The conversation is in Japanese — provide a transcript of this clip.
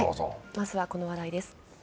まずはこの話題です。